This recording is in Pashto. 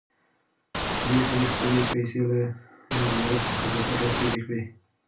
دې سړي خپلې پیسې له ګمرک څخه په پټه تېرې کړې.